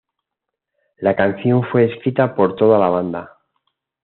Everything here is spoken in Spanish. La canción fue escrita por toda la banda.